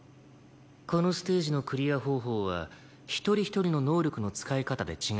このステージのクリア方法は一人一人の能力の使い方で違ってくる。